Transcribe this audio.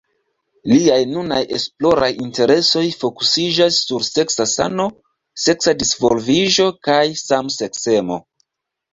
Liaj nunaj esploraj interesoj fokusiĝas sur seksa sano, seksa disvolviĝo kaj samseksemo.